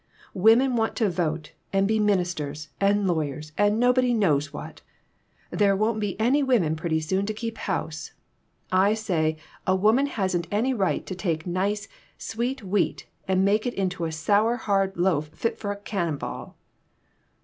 Women want to vote and be ministers and law yers, and nobody knows what. There won't be any women pretty soon to keep house. I say a woman hasn't any right to take nice, sweet wheat and make it into a sour, hard loaf fit for a cannon ball."